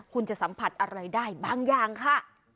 คุณจะสัมผัสอะไรได้บางอย่างค่ะ